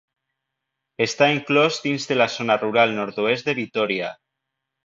Està inclòs dins de la Zona Rural Nord-oest de Vitòria.